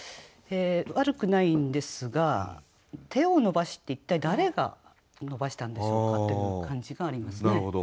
悪くないんですが「手を伸ばし」って一体誰が伸ばしたんでしょうかという感じがありますね。